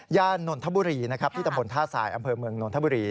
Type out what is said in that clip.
ยานนทบุรีที่ตำบลท่าสายอำเภอเมืองนทบุรี